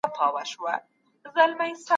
که ځوانان وروزل سي هېواد ابادیږي.